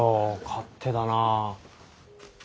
勝手だな。